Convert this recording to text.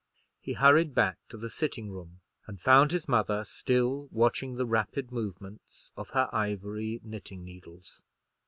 He hurried back to the sitting room, and found his mother still watching the rapid movements of her ivory knitting needles.